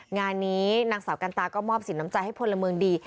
งานนี้นางสาวกันตาก็มอบสินน้ำใจให้พลเมืองดี